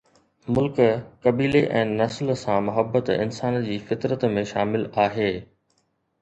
ملڪ، قبيلي ۽ نسل سان محبت انسان جي فطرت ۾ شامل آهي.